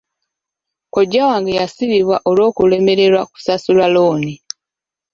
Kojja wange yasibibwa olw'okulemererwa kusasula looni.